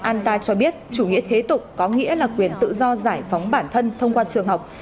anta cho biết chủ nghĩa thế tục có nghĩa là quyền tự do giải phóng bản thân thông qua trường học